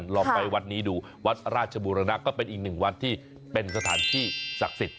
ลองไปวัดนี้ดูวัดราชบูรณะก็เป็นอีกหนึ่งวัดที่เป็นสถานที่ศักดิ์สิทธิ